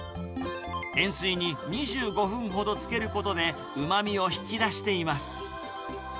塩水に２５分ほどつけることで、うまみを引き出しています。